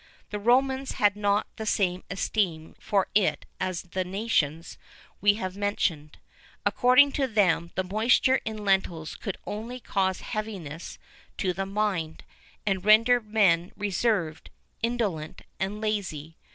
The Romans had not the same esteem for it as the nations we have mentioned. According to them, the moisture in lentils could only cause heaviness to the mind, and render men reserved, indolent, and lazy.